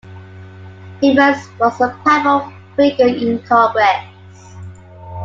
Evins was a powerful figure in Congress.